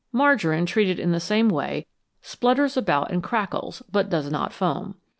Margarine, treated in the same way, splutters about and crackles, but does not foam.